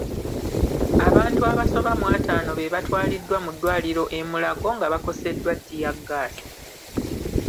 Abantu abasoba mu ataano be batwaliddwa mu ddwaliro e Mulago nga bakoseddwa ttiyaggaasi.